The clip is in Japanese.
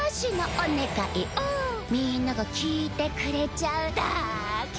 お願いをみんなが聞いてくれちゃうだけ。